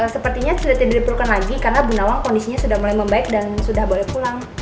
sepertinya sudah tidak diperlukan lagi karena bu nawang kondisinya sudah mulai membaik dan sudah boleh pulang